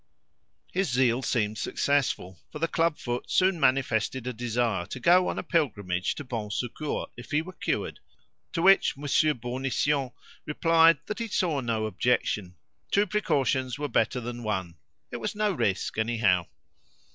His zeal seemed successful, for the club foot soon manifested a desire to go on a pilgrimage to Bon Secours if he were cured; to which Monsieur Bournisien replied that he saw no objection; two precautions were better than one; it was no risk anyhow.